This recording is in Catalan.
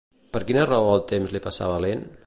Per quina raó el temps li passava lent?